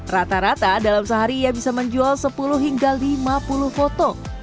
rata rata dalam sehari ia bisa menjual sepuluh hingga lima puluh foto